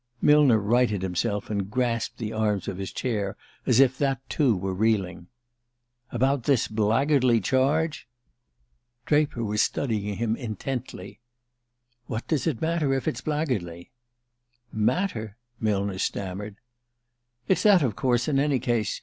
Millner righted himself, and grasped the arms of his chair as if that too were reeling. "About this blackguardly charge?" Draper was studying him intently. "What does it matter if it's blackguardly?" "Matter ?" Millner stammered. "It's that, of course, in any case.